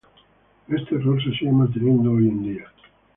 Este error se sigue manteniendo hoy en día.